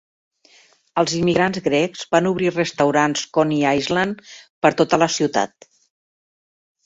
Els immigrants grecs van obrir restaurants Coney Island per tota la ciutat.